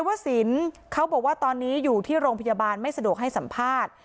วสินเขาบอกว่าตอนนี้อยู่ที่โรงพยาบาลไม่สะดวกให้สัมภาษณ์